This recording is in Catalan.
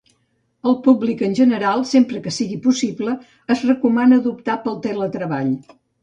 Al públic en general, sempre que sigui possible, es recomana d’optar pel teletreball.